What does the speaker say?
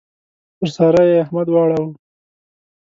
پر سارا يې احمد واړاوو.